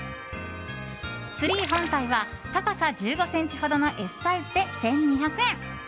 ツリー本体は高さ１５ｃｍほどのＳサイズで１２００円。